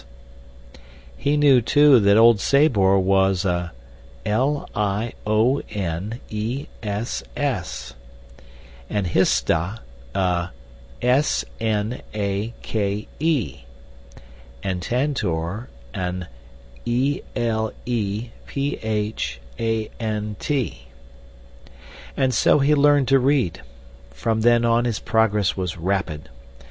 He knew, too, that old Sabor was a L I O N E S S, and Histah a S N A K E, and Tantor an E L E P H A N T. And so he learned to read. From then on his progress was rapid.